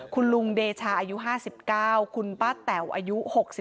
คุณลุงเดชาอายุ๕๙คุณป้าแต๋วอายุ๖๒